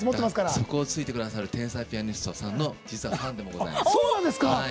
そこをついてくださる天才ピアニストのファンでもございます。